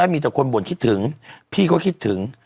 มีแต่คนบ่นคิดถึงพี่ก็คิดถึง